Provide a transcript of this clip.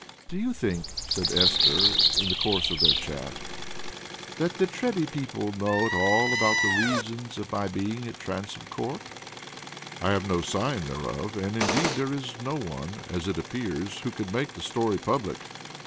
"Do you think," said Esther, in the course of their chat, "that the Treby people know at all about the reasons of my being at Transome Court?" "I have had no sign thereof: and indeed there is no one, as it appears, who could make the story public.